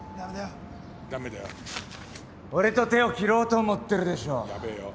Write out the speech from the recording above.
俺と手を切ろうと思ってるでしょ？